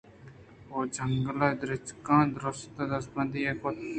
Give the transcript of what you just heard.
ءُ جنگل ءِدرٛچکاں دست ءُ دزبندی ئے کُت